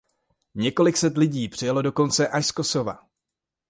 Několik set lidí přijelo dokonce až z Kosova.